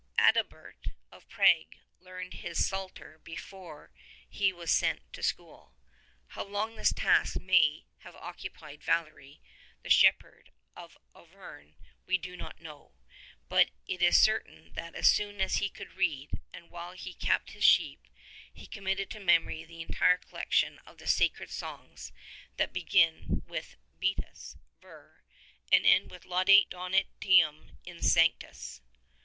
Adalbert of Prague learned his Psalter before he was sent to school. How long this task may have occupied Valery the shep 132 herd boy of Auvergne we do not know ; but it is certain that as soon as he could read, and while he kept his sheep, he committed to memory the entire collection of the sacred songs that begin with Beatus vir and end with Laudate Dom intim in sanctis.